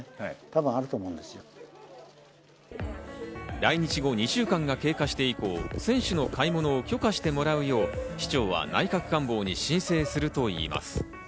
来日後２週間が経過して以降、選手の買い物を許可してもらうよう、市長は内閣官房に申請するといいます。